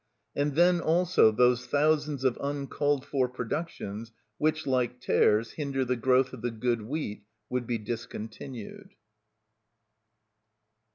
And then, also, those thousands of uncalled for productions which, like tares, hinder the growth of the good wheat would be discontinued.